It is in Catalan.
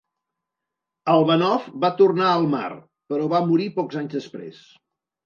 Albanov va tornar al mar, però va morir pocs anys després.